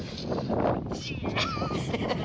ハハハハハ。